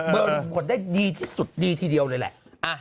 เบอร์รูขุมขนได้ดีที่สุดดีที่เดียวเลยแหละ